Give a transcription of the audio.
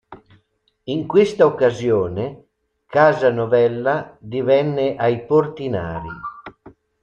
In questa occasione “casa novella divenne ai Portinari”.